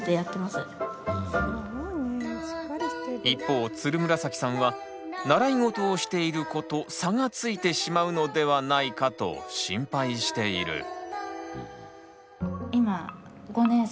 一方つるむらさきさんは習い事をしている子と差がついてしまうのではないかと心配している。